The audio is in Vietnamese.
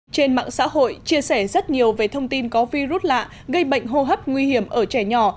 trên mạng xã hội chia sẻ rất nhiều về thông tin có virus lạ gây bệnh hô hấp nguy hiểm ở trẻ nhỏ